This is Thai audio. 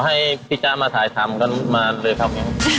พอให้พี่จ้ามาถ่ายถามก็มาเลยครับ